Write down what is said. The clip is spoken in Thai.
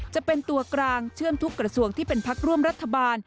จะเป็นตัวกลางเชื่อมทุกกระทรวงที่เป็นพักร่วมรัฐบาล